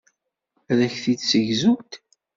Ad ak-t-id-ssegzunt.